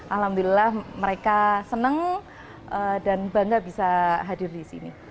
alhamdulillah mereka senang dan bangga bisa hadir di sini